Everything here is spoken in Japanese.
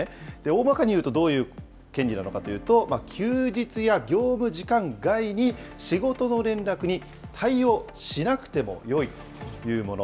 大まかにいうと、どういう権利なのかというと、休日や業務時間外に仕事の連絡に対応しなくてもよいというもの。